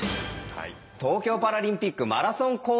東京パラリンピックマラソンコース